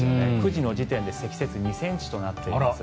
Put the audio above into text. ９時の時点で積雪２ｃｍとなっています。